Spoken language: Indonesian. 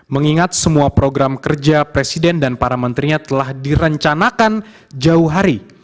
mengingat semua program kerja presiden dan para menterinya telah direncanakan jauh hari